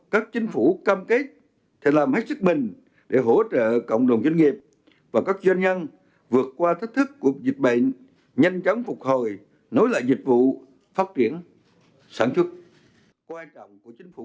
các chính phủ cam kết sẽ làm hết sức mình để hỗ trợ cộng đồng doanh nghiệp và các doanh nhân vượt qua thách thức của dịch bệnh nhanh chóng phục hồi nối lại dịch vụ phát triển sản xuất